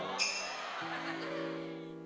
สนุนโดยบริธานาคารกรุงเทพฯ